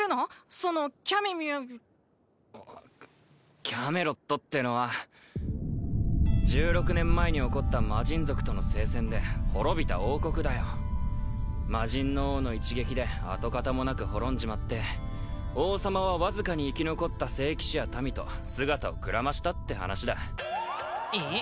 そのキャメミヨキャメロットってのは１６年前に起こった魔神族との聖戦で滅びた王国だよ魔神の王の一撃で跡形もなく滅んじまって王様はわずかに生き残った聖騎士や民と姿をくらましたって話だえっ？